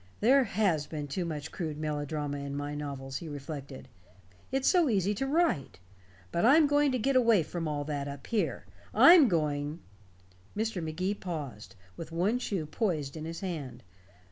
"There has been too much crude melodrama in my novels," he reflected. "It's so easy to write. But I'm going to get away from all that up here. I'm going " Mr. Magee paused, with one shoe poised in his hand.